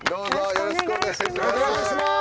よろしくお願いします。